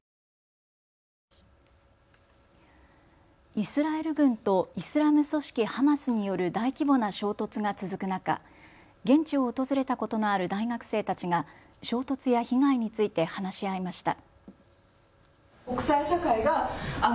イスラエル軍とイスラム組織ハマスによる大規模な衝突が続く中、現地を訪れたことのある大学生たちが衝突や被害について話し合いました。